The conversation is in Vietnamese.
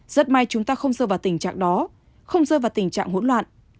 rất may chúng ta không rơ vào tình trạng đó không rơ vào tình trạng hỗn loạn